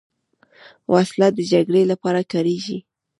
وسله د جګړې لپاره کارېږي